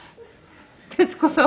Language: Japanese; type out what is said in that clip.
徹子さん